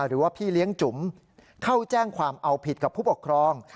หรือว่าพี่เลี้ยงจุ๋มเข้าแจ้งความเอาผิดกับผู้ปกครอง